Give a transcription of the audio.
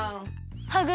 ハグ